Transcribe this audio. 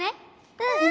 うん！